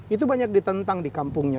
itu banyak ditentang di kampungnya